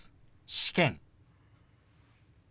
「試験」。